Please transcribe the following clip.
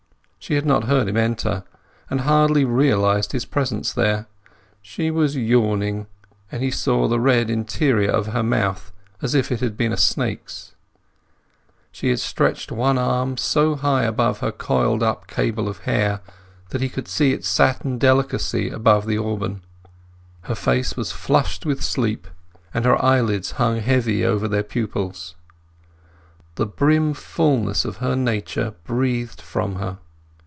She had not heard him enter, and hardly realized his presence there. She was yawning, and he saw the red interior of her mouth as if it had been a snake's. She had stretched one arm so high above her coiled up cable of hair that he could see its satin delicacy above the sunburn; her face was flushed with sleep, and her eyelids hung heavy over their pupils. The brim fulness of her nature breathed from her.